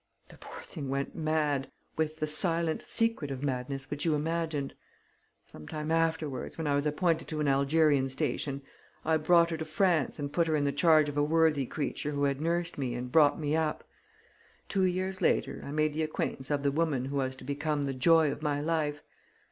The poor thing went mad ... with the silent, secretive madness which you imagined. Some time afterwards, when I was appointed to an Algerian station, I brought her to France and put her in the charge of a worthy creature who had nursed me and brought me up. Two years later, I made the acquaintance of the woman who was to become the joy of my life.